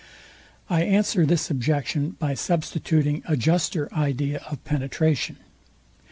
I answer this objection by substituting a juster idea of penetration.